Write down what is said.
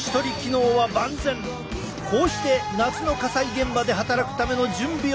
こうして夏の火災現場で働くための準備をしているのだ！